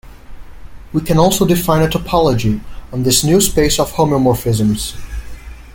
We can also define a topology on this new space of homeomorphisms.